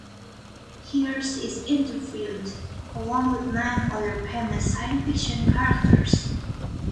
Here she is interviewed, along with nine other famous science fiction characters.